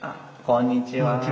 こんにちは。